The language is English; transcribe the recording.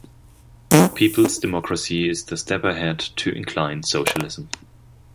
Peoples' Democracy is the step ahead to incline Socialism.